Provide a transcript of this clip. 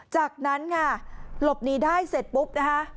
จากนั้นค่ะหลบหนีได้เสร็จปุ๊บนะคะ